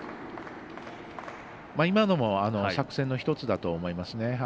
今のも作戦の１つだと思いますね。